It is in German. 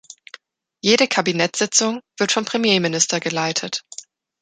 Jede Kabinettssitzung wird vom Premierminister geleitet.